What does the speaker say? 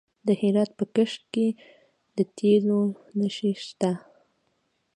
د هرات په کشک کې د تیلو نښې شته.